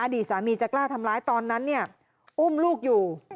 ดีสามีจะกล้าทำร้ายตอนนั้นอุ้มลูกอยู่